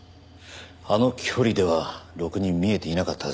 あの距離ではろくに見えていなかったはずです。